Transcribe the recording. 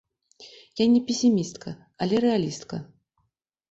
Я не песімістка, але рэалістка.